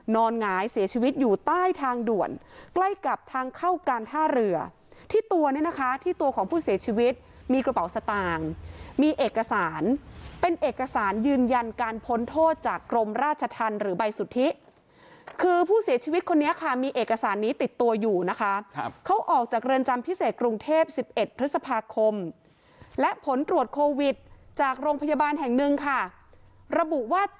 หงายเสียชีวิตอยู่ใต้ทางด่วนใกล้กับทางเข้าการท่าเรือที่ตัวเนี่ยนะคะที่ตัวของผู้เสียชีวิตมีกระเป๋าสตางค์มีเอกสารเป็นเอกสารยืนยันการพ้นโทษจากกรมราชธรรมหรือใบสุทธิคือผู้เสียชีวิตคนนี้ค่ะมีเอกสารนี้ติดตัวอยู่นะคะเขาออกจากเรือนจำพิเศษกรุงเทพ๑๑พฤษภาคมและผลตรวจโควิดจากโรงพยาบาลแห่งหนึ่งค่ะระบุว่าต